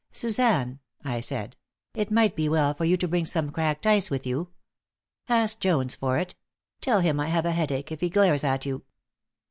"Suzanne," I said, "it might be well for you to bring some cracked ice with you. Ask Jones for it. Tell him I have a headache, if he glares at you."